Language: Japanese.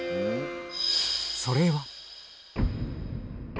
それは。